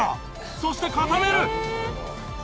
そして固める！